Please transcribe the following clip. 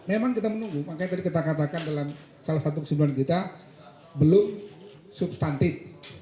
memang kita menunggu makanya tadi kita katakan dalam salah satu kesimpulan kita belum substantif